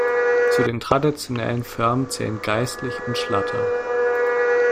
Zu den traditionellen Firmen zählen Geistlich und Schlatter.